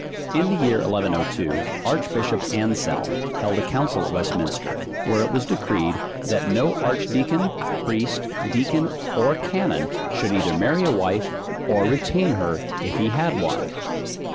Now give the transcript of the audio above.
In the year 1102, archbishop Anselm held a council at Westminster, where it was decreed, that no archdeacon, priest, deacon, or canon, should either marry a wife, or retain her if he had one.